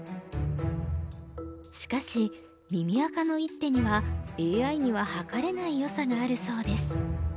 しかし耳赤の一手にはＡＩには測れないよさがあるそうです。